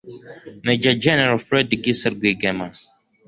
major general fred gisa rwigema